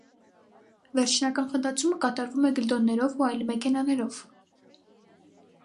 Վերջնական խտացումը կատարվում է գլդոններով ու այլ մեքենաներով։